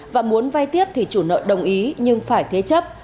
và muốn vay tiếp thì chủ nợ đồng ý nhưng phải thế chấp